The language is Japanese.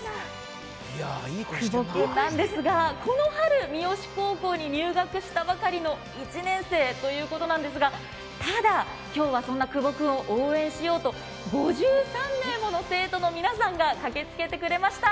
久保君ですが、この春三次高校に入学したばかりの１年生ということなんですが、ただ今日はそんな久保君を応援しようと５３名もの生徒の皆さんが駆けつけてくれました。